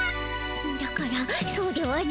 だからそうではのうて。